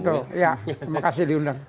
terima kasih diundang